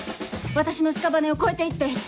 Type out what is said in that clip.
私の屍を越えて行って！